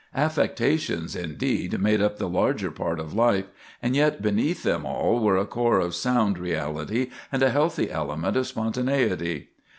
Affectations, indeed, made up the larger part of life; and yet beneath them all were a core of sound reality and a healthy element of spontaneity.